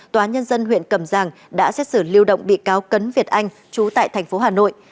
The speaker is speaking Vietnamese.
tòa nhân dân huyện cầm giang đã xét xử lưu động bị cáo cấn việt anh chú tại thành phố hà nội